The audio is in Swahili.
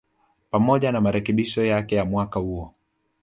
pamoja na marekebisho yake ya mwaka huo